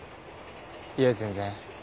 いえ全然。